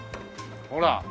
ほら。